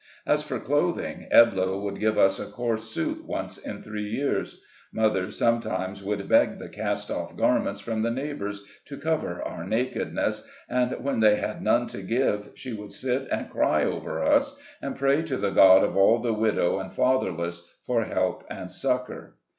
As for clothing, Edloe would give us a coarse suit once in three years ; mother sometimes would beg the cast off garments from the neighbors, to cover our naked ness ; and when they had none to give, she would sit and cry over us, and pray to the God of the widow and fatherless for help and succor.